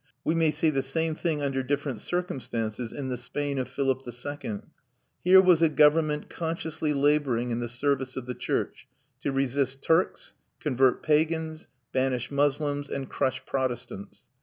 We may see the same thing under different circumstances in the Spain of Philip II. Here was a government consciously labouring in the service of the church, to resist Turks, convert pagans, banish Moslems, and crush Protestants.